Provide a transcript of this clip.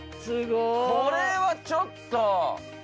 これはちょっと。